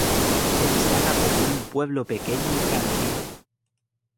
Se destaca por ser un pueblo pequeño y tranquilo.